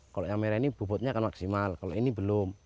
kalau yang merah ini bobotnya akan maksimal kalau ini belum